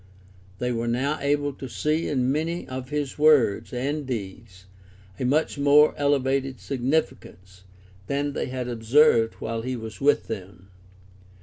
They were now able to see in many of his words and deeds a much more elevated significance than they had observed while he was with them.